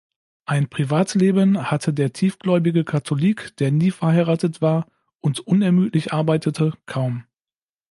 Ein Privatleben hatte der tiefgläubige Katholik, der nie verheiratet war und unermüdlich arbeitete, kaum.